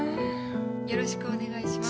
よろしくお願いします。